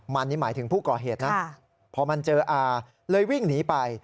มันนี่หมายถึงผู้ก่อเหตุนะพอมันเจออาเลยวิ่งหนีไป